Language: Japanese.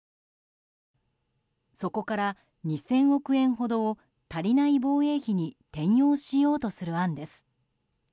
そこから２０００億円ほどを足りない防衛費に転用しようとする案です。